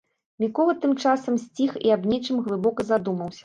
Мікола тым часам сціх і аб нечым глыбока задумаўся.